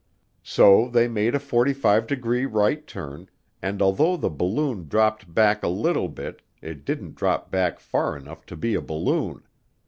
So they made a 45 degree right turn, and although the "balloon" dropped back a little bit, it didn't drop back far enough to be a balloon.